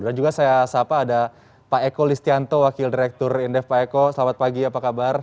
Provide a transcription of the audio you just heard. dan juga saya pak eko listianto wakil direktur indef pak eko selamat pagi apa kabar